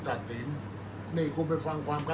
อันไหนที่มันไม่จริงแล้วอาจารย์อยากพูด